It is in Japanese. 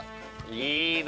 いいね！